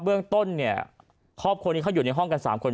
เบื้องต้นเนี่ยครอบครัวนี้เขาอยู่ในห้องกัน๓คน